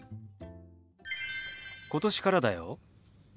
今年からだよ。